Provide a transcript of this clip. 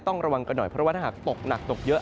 ต้องระวังกันหน่อยเพราะว่าถ้าหากตกหนักตกเยอะ